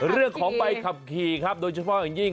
เรื่องของใบขับขี่ครับโดยเฉพาะอย่างยิ่ง